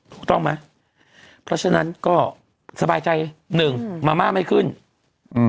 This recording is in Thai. ถูกต้องไหมเพราะฉะนั้นก็สบายใจหนึ่งอืมมาม่าไม่ขึ้นอืม